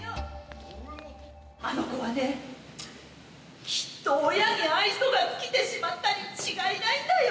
あの子はね、きっと親に愛想が尽きてしまったに違いないんだよ。